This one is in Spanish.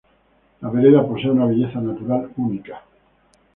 La vereda posee una belleza natural única.